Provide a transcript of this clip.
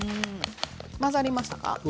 混ざりましたか？